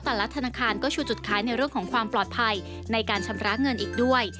แต่ละธนาคารก็ชูจุดคล้ายในเรื่องของความปลอดภัยในการชำระเงินอีกด้วย